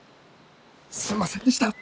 すいませんでした。